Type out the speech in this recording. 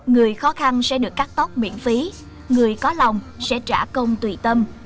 người khó khăn sẽ được cắt tóc miễn phí người có lòng sẽ trả công tùy tâm